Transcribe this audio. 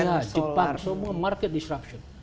ya jepang semua market disruption